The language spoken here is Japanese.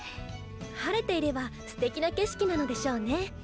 晴れていればステキな景色なのでしょうね。